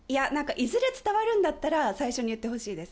いずれ伝わるんだったら最初に言ってほしいです。